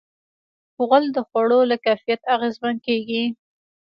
غول د خوړو له کیفیت اغېزمن کېږي.